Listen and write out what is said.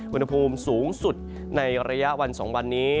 อุณหภูมิสูงสุดในระยะวัน๒วันนี้